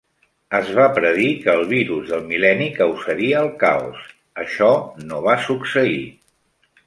Es va predir que el virus del mil·leni causaria el caos. Això no va succeir.